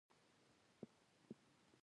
بس دا دی ما خو درسره مرسته وکړه.